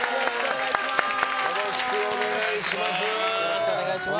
よろしくお願いします！